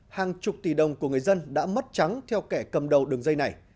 hàng chục tỷ đồng của người dân đã mất trắng theo kẻ cầm đầu đường dây này